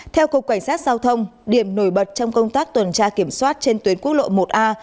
theo cục cảnh sát giao thông điểm nổi bật trong công tác tuần tra kiểm soát trên tuyến quốc lộ một a